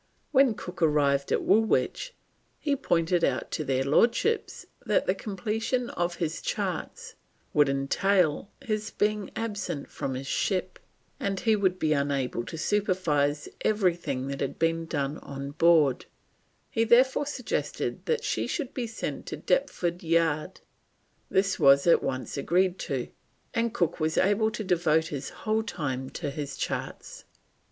When Cook arrived at Woolwich, he pointed out to their Lordships that the completion of his charts would entail his being absent from his ship, and he would be unable to supervise everything that had to be done on board, he therefore suggested that she should be sent to Deptford yard. This was at once agreed to, and Cook was able to devote his whole time to his charts.